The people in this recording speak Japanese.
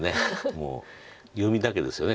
もう読みだけですよね